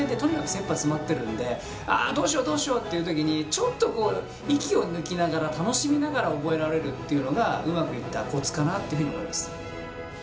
あどうしようどうしようっていう時にちょっとこう息を抜きながら楽しみながら覚えられるっていうのがうまくいったコツかなっていうふうに思います。